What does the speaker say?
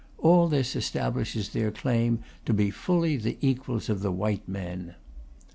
All this establishes their claim to be fully the equals of the white men.